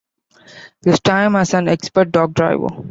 This time as an expert dog driver.